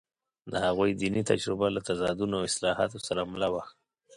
د هغوی دیني تجربه له تضادونو او اصلاحاتو سره مله وه.